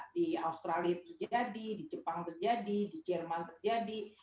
di australia terjadi di jepang terjadi di jerman terjadi